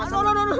aduh aduh aduh